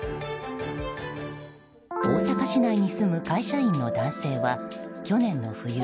大阪市内に住む会社員の男性は去年の冬